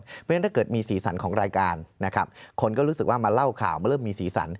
เพราะฉะนั้นถ้าเกิดมีสีสันของรายการนะครับคนก็รู้สึกว่ามาเล่าข่าวมาเริ่มมีสีสัน